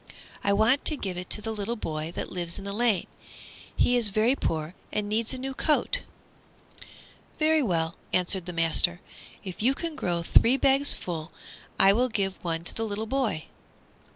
"I want to give it to the little boy that lives in the lane. He is very poor and needs a new coat." "Very well," answered the master; "if you can grow three bags full I will give one to the little boy."